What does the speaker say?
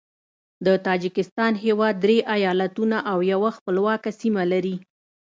د تاجکستان هیواد درې ایالتونه او یوه خپلواکه سیمه لري.